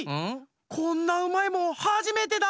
こんなうまいもんはじめてだ！